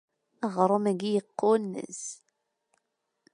Aɣṛum-agi yeqqunneẓ.